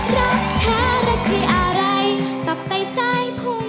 รักเธอรักที่อะไรตับใต้สายพุ่ง